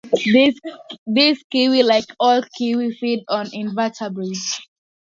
These kiwi, like all kiwi, feed on invertebrates.